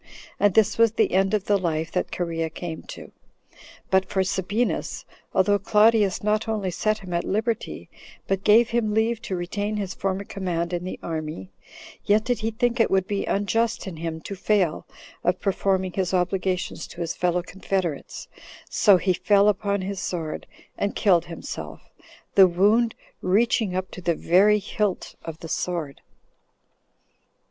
And this was the end of the life that Cherea came to. But for Sabinus, although Claudius not only set him at liberty, but gave him leave to retain his former command in the army, yet did he think it would be unjust in him to fail of performing his obligations to his fellow confederates; so he fell upon his sword, and killed himself, the wound reaching up to the very hilt of the sword.